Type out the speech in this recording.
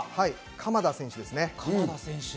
鎌田選手です。